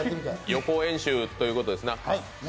予行演習ということですね。